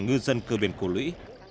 ngư dân cửa biển cổ lũy